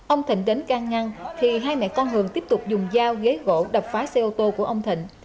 ông thịnh đến can ngăn thì hai mẹ con hường tiếp tục dùng dao ghế gỗ đập phá xe ô tô của ông thịnh